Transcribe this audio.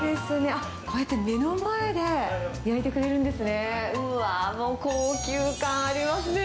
あっ、こうやって目の前で焼いてくれるんですね。